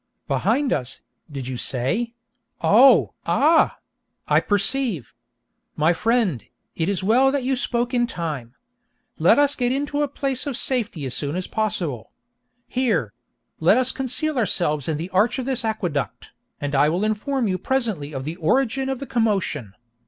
Behind us, did you say?—oh! ah!—I perceive. My friend, it is well that you spoke in time. Let us get into a place of safety as soon as possible. Here!—let us conceal ourselves in the arch of this aqueduct, and I will inform you presently of the origin of the commotion.